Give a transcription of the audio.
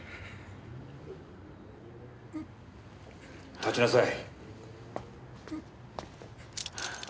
立ちなさい。